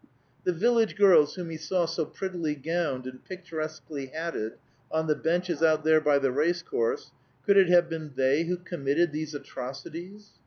The village girls whom he saw so prettily gowned and picturesquely hatted on the benches out there by the race course, could it have been they who committed these atrocities?